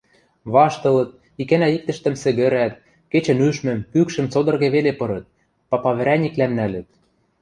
ваштылыт, икӓнӓ-иктӹштӹм сӹгӹрӓт, кечӹнӱшмӹм, пӱкшӹм цодырге веле пырыт, папаврӓниквлӓм нӓлӹт